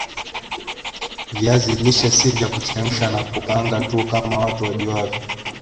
viazi lishe si vya kuchemsha na kukaanga tu kama watu wajuavyo